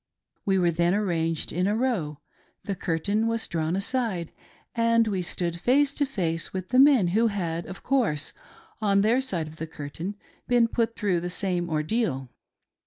We were then arranged in a row, the curtain was drawn aside, and we stood face to face with the men who had, of course, on their side of the curtain been put through the same ordeal.